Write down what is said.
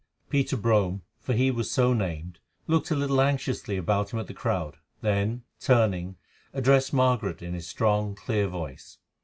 Peter Brome, for he was so named, looked a little anxiously about him at the crowd, then, turning, addressed Margaret in his strong, clear voice.